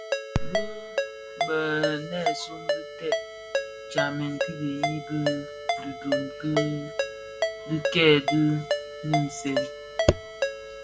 Bi bënèsun dhi ted tsamèn ki dhiyi di dhiňdoon di bikei di dhi di nsèň: